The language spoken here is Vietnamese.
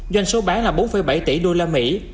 doanh số bán là bốn bảy tỷ đô la mỹ